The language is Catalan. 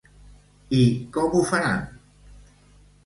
I com ho faran?